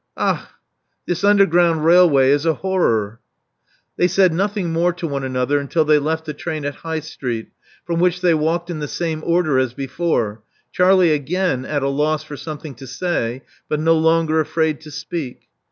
Ach! This underground railway is a horror." They said nothing more to one another until they left the train at High Street, from which they walked in the same order as before, Charlie again at a loss for something to say, but no longer afraid to speak.